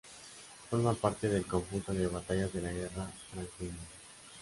Forma parte del conjunto de batallas de la guerra franco-india.